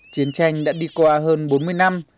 chiến tranh đã đi qua hơn bốn mươi năm